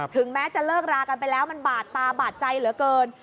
ถึงแม้จะเลิกรากันไปแล้วมันบาดตาบาดใจเหลือเกิน